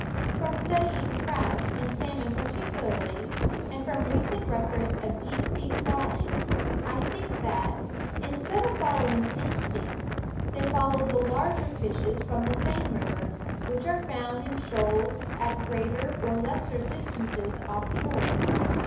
From studying trout and salmon par ticularly, and from recent records of deep sea trawling, I think that, instead of following instinct, they follow the larger fishes from the same river, which are found in shoals at greater or less distances offshore.